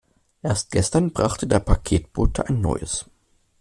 Erst gestern brachte der Paketbote ein neues.